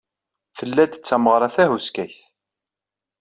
Tella-d d tameɣra tahuskayt.